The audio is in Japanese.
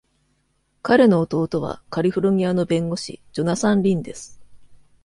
彼の弟はカリフォルニアの弁護士、ジョナサン・リンです。